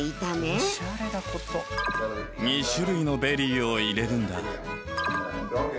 ２種類のベリーを入れるんだ。